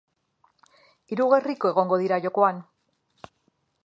Hiru gerriko egongo dira jokoan.